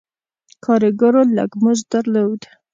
کارګرو لږ مزد درلود.